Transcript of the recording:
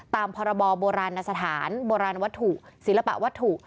ตามพบนสถานบวัตถุศิลปะวัตถุ